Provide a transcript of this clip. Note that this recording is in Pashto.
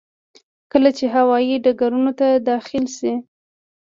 کله چې هوايي ډګرونو ته داخل شي.